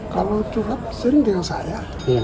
kalau cukap sering dengan saya